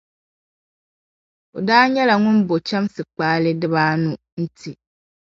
O daa nyala ŋun bo chamsi kpaale dibaa anu ti